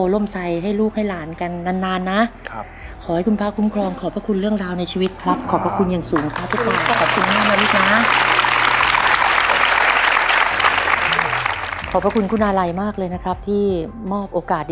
แล้วเหลืออีกข้อเดียวเท่านั้นนะครับคุณผู้ชมมา